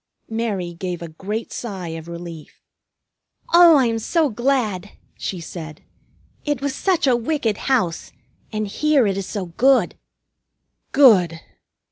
Mary gave a great sigh of relief. "Oh, I am so glad!" she said. "It was such a wicked house. And here it is so good!" "Good!"